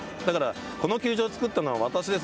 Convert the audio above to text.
だから、この球場を造ったのは私です